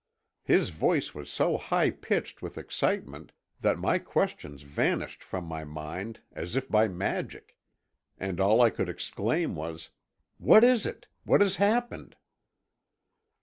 His voice was so high pitched with excitement that my questions vanished from my mind as if by magic, and all I could exclaim was, "What is it? What has happened?"